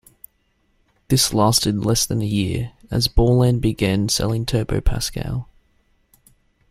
This lasted less than a year, as Borland began selling Turbo Pascal.